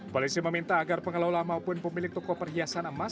polisi meminta agar pengelola maupun pemilik toko perhiasan emas